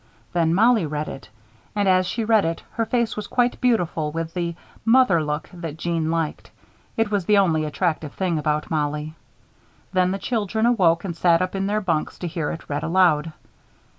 Then Mollie read it. And as she read, her face was quite beautiful with the "mother look" that Jeanne liked it was the only attractive thing about Mollie. Then the children awoke and sat up in their bunks to hear it read aloud.